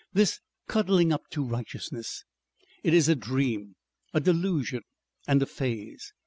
This cuddling up to Righteousness! It is a dream, a delusion and a phase.